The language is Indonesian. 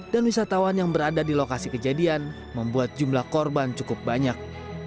dan wisatawan yang berada di lokasi kejadian membuat jumlah korban cukup banyak